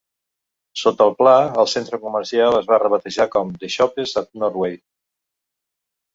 Sota el pla, el centre comercial es va rebatejar com The shoppes at Northway.